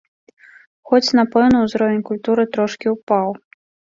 Хоць, напэўна, ўзровень культуры трошкі ўпаў.